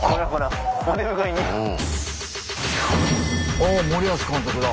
あっ森保監督だ。